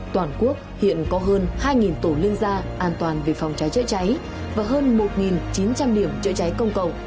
toàn quốc hiện có hơn hai tổ liên gia an toàn về phòng cháy chữa cháy và hơn một chín trăm linh điểm chữa cháy công cộng